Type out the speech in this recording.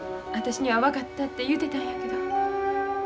私には分かったって言うてたんやけど。